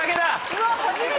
うわ初めて！